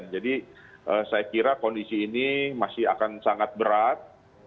jadi saya kira kondisi ini masih akan sangat berat